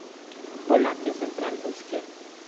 Volante central o izquierdo.